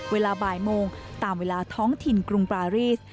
เวลาบ่ายโมงตามเวลาท้องถิ่นกรุงปรารีส